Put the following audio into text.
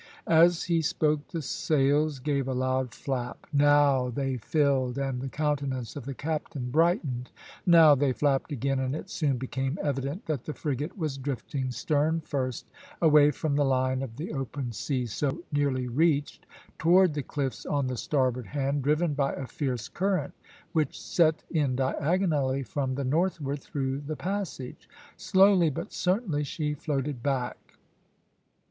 As he spoke the sails gave a loud flap; now they filled, and the countenance of the captain brightened; now they flapped again, and it soon became evident that the frigate was drifting, stern first, away from the line of the open sea so nearly reached, towards the cliffs on the starboard hand, driven by a fierce current, which set in diagonally from the northward through the passage. Slowly but certainly she floated back.